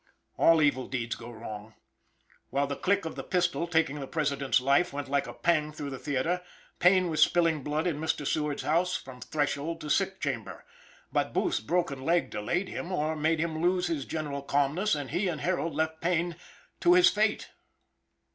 All evil deeds go wrong. While the click of the pistol, taking the President's life, went like a pang through the theater, Payne was spilling blood in Mr. Seward's house from threshold to sick chamber. But Booth's broken leg delayed him or made him lose his general calmness and he and Harold left Payne no to his fate.